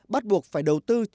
bắt buộc phải đầu tư